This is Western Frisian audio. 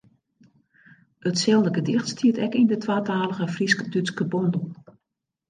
Itselde gedicht stiet ek yn de twatalige Frysk-Dútske bondel.